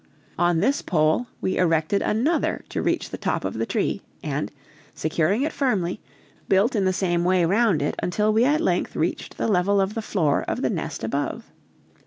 On this pole we erected another to reach the top of the tree, and securing it firmly, built in the same way round it until we at length reached the level of the floor of the nest above.